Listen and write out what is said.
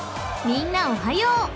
［みんなおはよう］